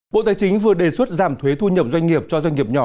bộ tài chính vừa đề xuất giảm thuế thu nhập doanh nghiệp cho doanh nghiệp nhỏ